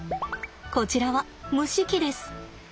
こちらは蒸し器です。